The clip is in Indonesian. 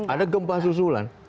ada gempa susulan